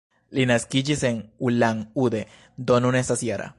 Li naskiĝis en Ulan-Ude, do nun estas -jara.